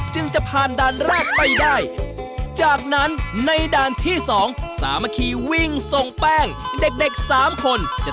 ต้องวิ่งวิบากตามเส้นทางที่กำหนดครับ